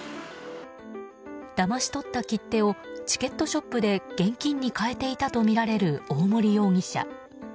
だまし取った切手をチケットショップで現金に換えていたとみられる大森容疑者。